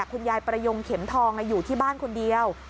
คุณยายประยงเข็มทองอยู่ที่บ้านคนเดียว